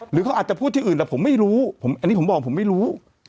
หรือเขาอาจจะพูดที่อื่นแต่ผมไม่รู้อันนี้ผมบอกผมไม่รู้